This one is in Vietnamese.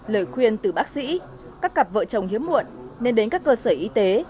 lời khuyên từ bác sĩ các cặp vợ chồng hiếm muộn nên đến các cơ sở y tế